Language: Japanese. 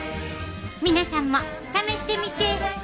皆さんも試してみて！